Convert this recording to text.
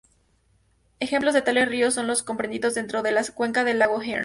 Ejemplos de tales ríos son los comprendidos dentro de la Cuenca del Lago Eyre.